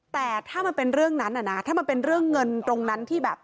แต่ถ้ามันเป็นเรื่องนั้นน่ะนะถ้ามันเป็นเรื่องเงินตรงนั้นที่แบบ